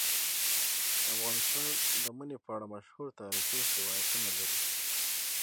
افغانستان د منی په اړه مشهور تاریخی روایتونه لري.